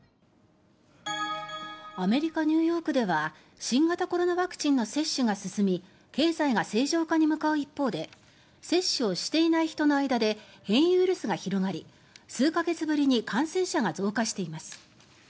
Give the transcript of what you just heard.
アメリカ・ニューヨークでは新型コロナワクチンの接種が進み経済が正常化に向かう一方で接種をしていない人の間で変異ウイルスが広がり数か月ぶりに感染者が増加しています。